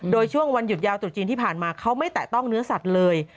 โดยช่วงวันหยุดยาวตรุษจีนที่ผ่านมาเขาไม่แตะต้องเนื้อสัตว์เลย